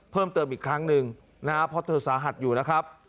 เพิ่มเติมอีกครั้งหนึ่งนะครับเพราะเธอสาหัสอยู่นะครับ